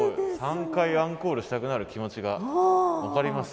３回アンコールしたくなる気持ちが分かります。